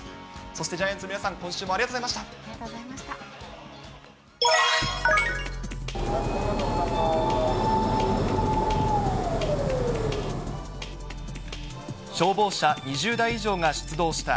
そしてジャイアンツの皆さん、今週もありがとうございました。